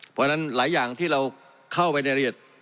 เพราะฉะนั้นหลายอย่างที่เราเข้าไปในละเอียด